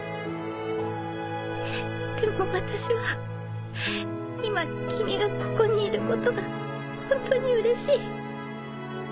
でも私は今君がここにいることがホントにうれしい。